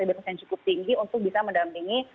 bebas yang cukup tinggi untuk bisa mendampingi